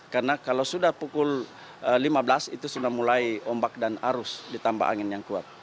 karena kalau sudah pukul lima belas itu sudah mulai ombak dan arus ditambah angin yang kuat